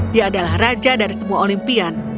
dia adalah raja dari sebuah olimpian